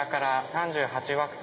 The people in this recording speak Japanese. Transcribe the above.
３８惑星？